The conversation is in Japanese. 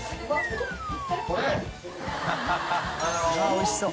おいしそう。